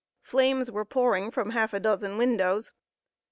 Flames were pouring from half a dozen windows.